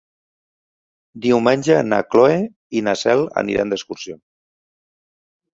Diumenge na Cloè i na Cel aniran d'excursió.